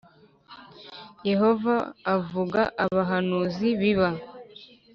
Yehova avuga abahanuzi biba